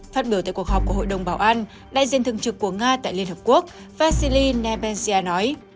phát biểu tại cuộc họp của hội đồng bảo an đại diện thường trực của nga tại liên hợp quốc facili nepensia nói